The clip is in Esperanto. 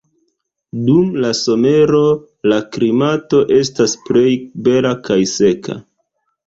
Dum la somero la klimato estas plej bela kaj seka.